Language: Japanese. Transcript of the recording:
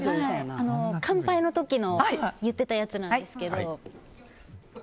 乾杯の時に言ってたやつなんですけど。